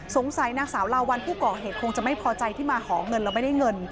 นางสาวลาวัลผู้ก่อเหตุคงจะไม่พอใจที่มาขอเงินแล้วไม่ได้เงิน